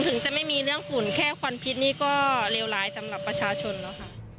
ถึงจะไม่มีเรื่องฝุ่นแค่ควันพิษนี่ก็เลวร้ายสำหรับประชาชนแล้วค่ะ